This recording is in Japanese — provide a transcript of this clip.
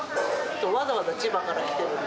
わざわざ千葉から来てるんで。